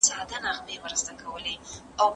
کرونا د ټولې نړۍ لپاره یو لوی امتحان دی.